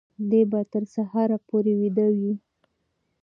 دی به تر سهاره پورې ویده وي.